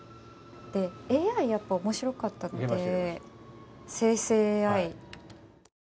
ＡＩ、やっぱり面白かったので生成ＡＩ。